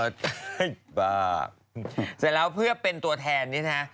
เสร็จแล้วเพื่อเป็นตัวแทนนี่นะฮะ